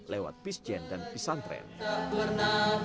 lewat pisjen dan pisantren